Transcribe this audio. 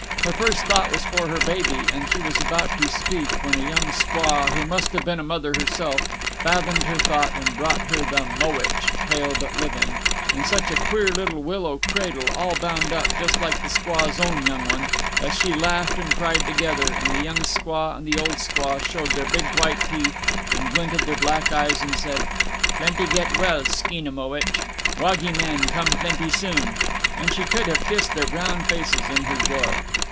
Her first thought was for her baby, and she was about to speak, when a young squaw, who must have been a mother herself, fathomed her thought and brought her the "mowitch," pale but living, in such a queer little willow cradle all bound up, just like the squaw's own young one, that she laughed and cried together, and the young squaw and the old squaw showed their big white teeth and glinted their black eyes and said, "Plenty get well, skeena mowitch," "wagee man come plenty soon," and she could have kissed their brown faces in her joy.